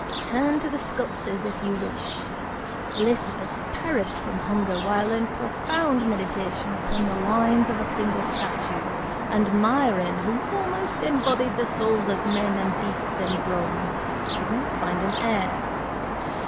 Turn to the sculptors if you will; Lysippus perished from hunger while in profound meditation upon the lines of a single statue, and Myron, who almost embodied the souls of men and beasts in bronze, could not find an heir.